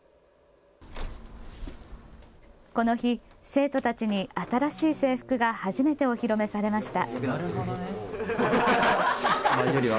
この日、生徒たちに新しい制服が初めてお披露目されました。